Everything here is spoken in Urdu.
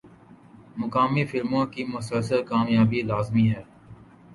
مقامی فلموں کی مسلسل کامیابی لازمی ہے۔